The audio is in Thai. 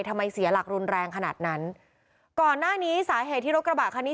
เสียหลักรุนแรงขนาดนั้นก่อนหน้านี้สาเหตุที่รถกระบะคันนี้